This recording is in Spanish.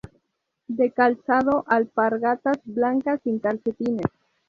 De calzado, alpargatas blancas sin calcetines.